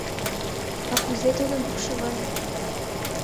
— А кузе тудым пукшыман?